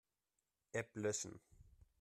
App löschen.